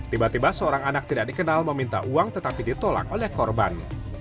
tiba tiba seorang anak tidak dikenal meminta uang tetapi ditolak oleh korban